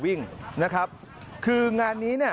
วิ่งคืองานนี้